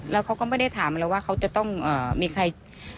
แล้วเขาก็ไม่ได้ถามเราว่าเขาจะต้องมีใคร